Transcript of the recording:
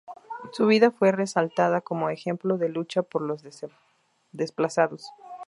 Su vida fue resaltada como ejemplo de lucha por los desplazados.